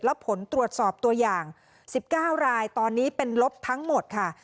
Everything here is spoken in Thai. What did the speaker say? แล้วผลตรวจสอบตัวอย่าง๑๙รายตอนนี้เป็นลบทั้งหมดค่ะ